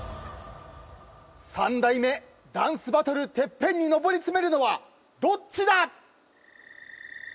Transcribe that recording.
３代目ダンスバトルＴＥＰＰＥＮに上り詰めるのはどっちだ！